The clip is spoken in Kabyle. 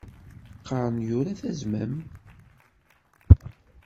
Qqaren yura d azmam.